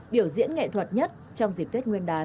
biểu diễn nghệ thuật nhất trong dịp tết nguyên đán